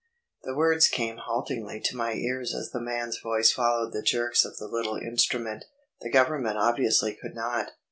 The words came haltingly to my ears as the man's voice followed the jerks of the little instrument "... the Government obviously could not